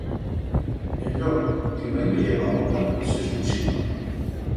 El llop, que no i veyeba gota, se sulsiba.